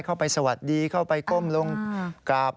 เข้าไปสวัสดีเข้าไปก้มลงกราบ